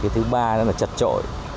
thứ ba rất là chật trội